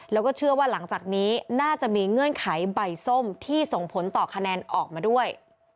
แล้วก็เชื่อว่าหลังจากนี้น่าจะมีเงื่อนไขใบส้มที่ส่งผลต่อคะแนนออกมาด้วย